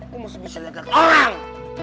gue mau bisiklet orang